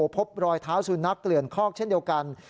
พบรอยเท้าสุนัขเกลื่อนคอกเช่นเดียวกัน